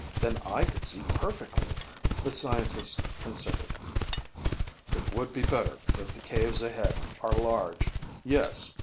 Then I could see perfectly." The scientist considered. "It would be better if the caves ahead are large, yes.